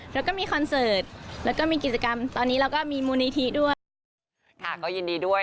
เราก็มีคอนเสิร์ตเราก็มีกิจกรรมตอนนี้เราก็มีมูลนิธิด้วย